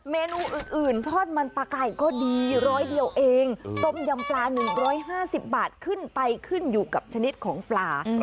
เมนูอื่นทอดมันปลาไก่ก็ดีร้อยเดียวเองต้มยำปลา๑๕๐บาทขึ้นไปขึ้นอยู่กับชนิดของปลา